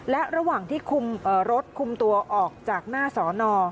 และระหว่างที่คุมรถคุมตัวออกจากหน้าสอนอ